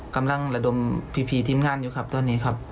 กำลังระดมพีทีมงานอยู่ครับตอนนี้ครับ